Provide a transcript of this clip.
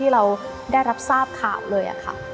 ที่เราได้รับทราบข่าวเลย